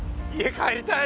帰りたい！